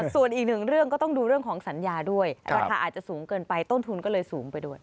ส่วนอีกหนึ่งเรื่องก็ต้องดูเรื่องของสัญญาด้วยราคาอาจจะสูงเกินไปต้นทุนก็เลยสูงไปด้วย